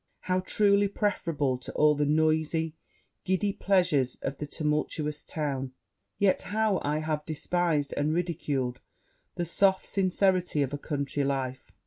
how truly preferable to all the noisy, giddy pleasures, of the tumultuous town! yet how have I despised and ridiculed the soft sincerity of a country life!'